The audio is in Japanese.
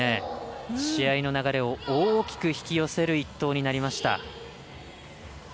試合の流れを大きく引き寄せる一投になりました。